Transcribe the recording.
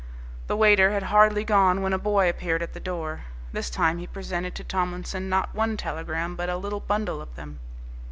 The waiter had hardly gone when a boy appeared at the door. This time he presented to Tomlinson not one telegram but a little bundle of them.